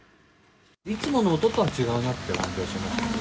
いつもの音とは違うなって感じはしましたけど。